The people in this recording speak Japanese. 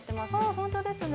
本当ですね。